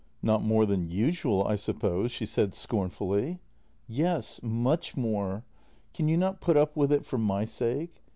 " Not more than usual, I suppose," she said scornfully. JENNY 149 " Yes, much more. Can you not put up with it for my sake?